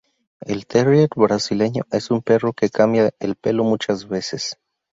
El terrier brasileño es un perro que cambia el pelo muchas veces.